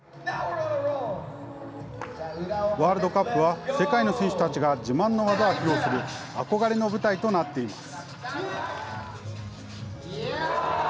ワールドカップは世界の選手たちが自慢の技を披露する憧れの舞台となっています。